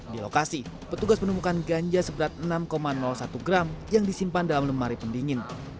di lokasi petugas menemukan ganja seberat enam satu gram yang disimpan dalam lemari pendingin